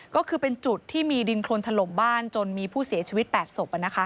ก็คือเป็นจุดที่มีดินโครนถล่มบ้านจนมีผู้เสียชีวิต๘ศพ